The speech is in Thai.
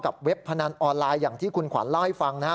กับเว็บพนันออนไลน์ที่คุณขวานเล่าให้ฟังนะ